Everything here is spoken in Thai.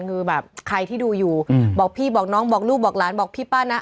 คือแบบใครที่ดูอยู่บอกพี่บอกน้องบอกลูกบอกหลานบอกพี่ป้านะ